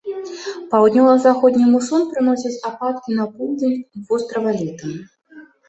Паўднёва-заходні мусон прыносіць ападкі на поўдзень вострава летам.